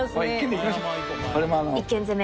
１軒攻め。